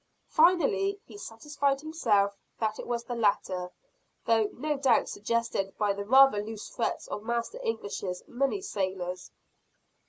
Finally he satisfied himself that it was the latter though no doubt suggested by the rather loose threats of Master English's many sailors.